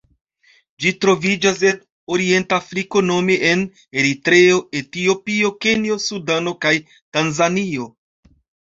Ĝi troviĝas en Orienta Afriko nome en Eritreo, Etiopio, Kenjo, Sudano kaj Tanzanio.